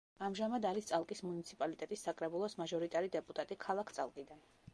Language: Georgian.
ამჟამად არის წალკის მუნიციპალიტეტის საკრებულოს მაჟორიტარი დეპუტატი ქალაქ წალკიდან.